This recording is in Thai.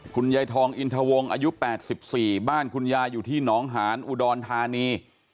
คุณยายทองอินทวงอายุ๘๔บ้านคุณยายอยู่ที่หนองหานอุดรธานี